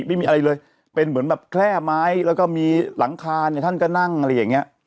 ไม่มีอะไรเลยเป็นเหมือนแบบแคล่ไม้แล้วก็มีหลังคาเนี่ยท่านก็นั่งอะไรอย่างเงี้ย